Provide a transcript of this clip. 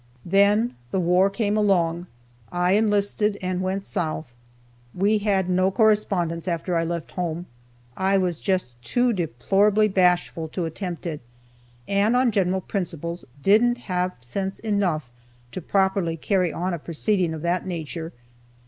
Then the war came along, I enlisted and went South. We had no correspondence after I left home; I was just too deplorably bashful to attempt it, and, on general principles, didn't have sense enough to properly carry on a proceeding of that nature.